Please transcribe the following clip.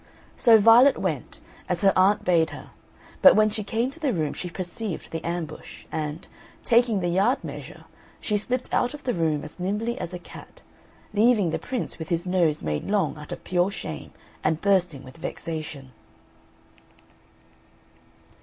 So Violet went, as her aunt bade her, but when she came to the room she perceived the ambush, and, taking the yard measure, she slipped out of the room as nimbly as a cat, leaving the Prince with his nose made long out of pure shame and bursting with vexation.